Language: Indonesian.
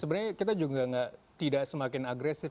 sebenarnya kita juga tidak semakin agresif